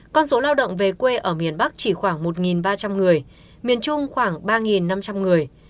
con số lao động về quê ở miền bắc chỉ khoảng một ba trăm linh người miền trung khoảng ba năm trăm linh người